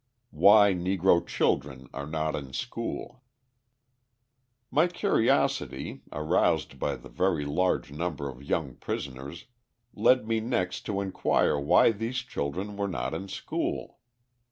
Why Negro Children Are Not in School My curiosity, aroused by the very large number of young prisoners, led me next to inquire why these children were not in school.